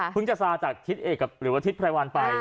จะซาจากทิศเอกหรือว่าทิศไพรวัลไป